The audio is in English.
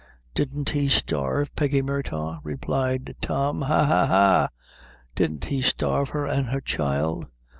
"Didn't he starve Peggy Murtagh?" replied Tom; "ha, ha, ha! didn't he starve her and her child?"